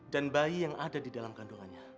dan bayi yang ada di dalam kandungannya